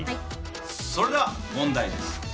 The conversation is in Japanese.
それでは、問題です。